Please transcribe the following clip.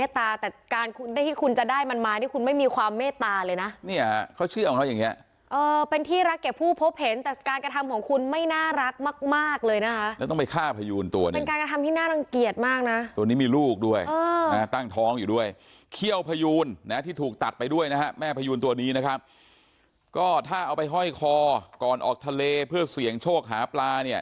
ที่คุณไม่มีความเมตตาเลยนะเนี่ยเขาเชื่อของเราอย่างเงี้ยเออเป็นที่รักแก่ผู้พบเห็นแต่การกระทำของคุณไม่น่ารักมากมากเลยนะคะแล้วต้องไปฆ่าพยูนตัวเนี้ยเป็นการกระทำที่น่ารังเกียจมากน่ะตัวนี้มีลูกด้วยเออนะฮะตั้งท้องอยู่ด้วยเขี้ยวพยูนนะที่ถูกตัดไปด้วยนะฮะแม่พยูนตัวนี้นะครับก็ถ้าเอาไปห้อยคอก่อนออกทะ